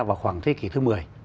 vào khoảng thế kỷ thứ một mươi